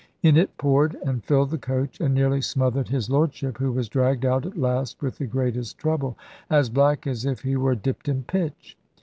In it poured, and filled the coach, and nearly smothered his Lordship, who was dragged out at last with the greatest trouble, as black as if he were dipped in pitch.